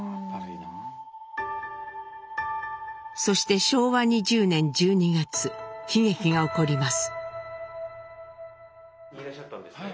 そして昭和２０年１２月悲劇が起こります。